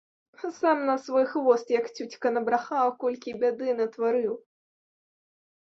Сам на свой хвост, як цюцька, набрахаў, а колькі бяды натварыў.